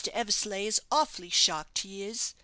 Eversleigh is awfully shocked, he is.